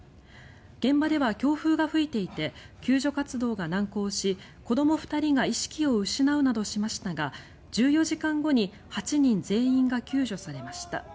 現場では強風が吹いていて救助活動が難航し子ども２人が意識を失うなどしましたが１４時間後に８人全員が救助されました。